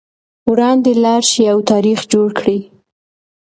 وړاندې لاړ شئ او تاریخ جوړ کړئ.